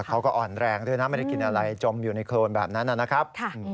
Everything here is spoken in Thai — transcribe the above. เขาก็อ่อนแรงด้วยนะไม่ได้กินอะไรจมอยู่ในโครนแบบนั้นนะครับ